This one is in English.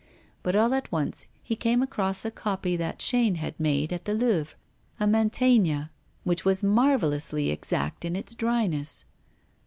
But, all at once, he came across a copy that Chaîne had made at the Louvre, a Mantegna, which was marvellously exact in its dryness.